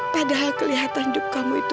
padahal kelihatan dup kamu itu